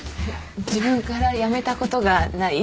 自分から辞めたことがない？